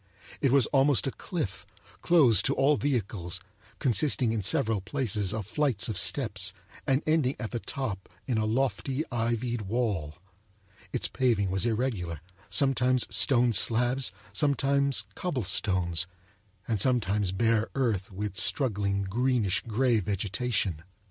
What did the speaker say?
It was almost a cliff, closed to all vehicles, consisting in several places of flights of steps, and ending at the top in a lofty ivied wall. Its paving was irregular, sometimes stone slabs, sometimes cobblestones, and sometimes bare earth with struggling greenish grey vegetation.